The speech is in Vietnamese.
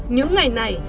những ngày này